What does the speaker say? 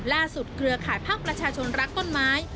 จุดเกลือขายภาพประชาชนรักต้นไม้